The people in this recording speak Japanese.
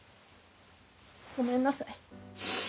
ごめんなさい。